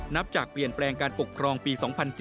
นับจากเปลี่ยนแปลงการปกครองปี๒๔๙